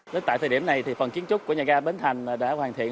lúc tại thời điểm này phần kiến trúc của nhà ga bến thành đã hoàn thiện